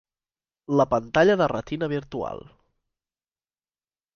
La pantalla de retina virtual.